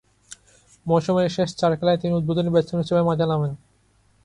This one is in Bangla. মৌসুমের শেষ চার খেলায় তিনি উদ্বোধনী ব্যাটসম্যান হিসেবে মাঠে নামেন।